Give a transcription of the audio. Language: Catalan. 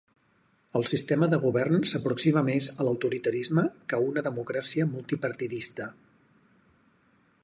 El sistema de govern s'aproxima més a l'autoritarisme que a una democràcia multipartidista.